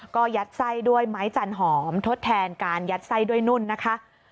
ก็ยัดไส้ด้วยไม้จันหอมทดแทนการยัดไส้ด้วยนุ่นนะคะ